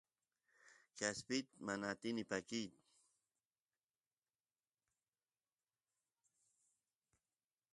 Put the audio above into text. kaspita mana atini pakiy